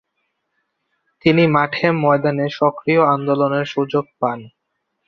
তিনি মাঠে-ময়দানে সক্রিয় আন্দোলনের সুযোগ পান।